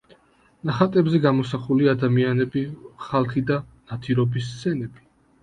ნახატებზე გამოსახულია ადამიანები, ხალხი და ნადირობის სცენები.